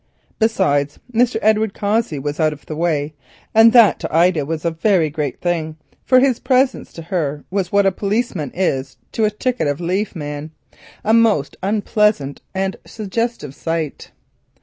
Besides, Mr. Edward Cossey was out of the way, and that to Ida was a very great thing, for his presence to her was what a policeman is to a ticket of leave man—a most unpleasant and suggestive sight.